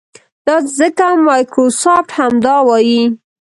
دا ځکه مایکروسافټ همدا وايي.